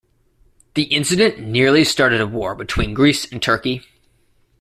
The incident nearly started a war between Greece and Turkey.